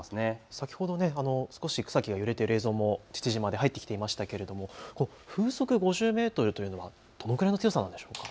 先ほど少し草木が揺れている映像も父島で入ってきていましたが風速５０メートルというのはどのくらいの強さなんでしょうか。